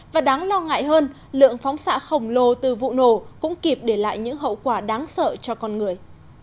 và đáng lo ngại hơn lượng phóng xạ khổng lồ từ vụ nổ cũng kịp để lại những hậu quả đáng sợ cho con người